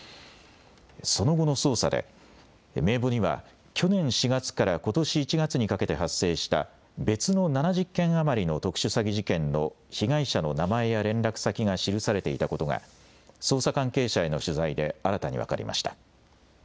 その後の捜査で、名簿には、去年４月からことし１月にかけて発生した、別の７０件余りの特殊詐欺事件の被害者の名前や連絡先が記されていたことが、捜査関係者への取材で新たに分かりました。